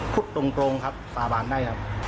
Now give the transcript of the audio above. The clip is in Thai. พูดตรงครับสาบานได้ครับ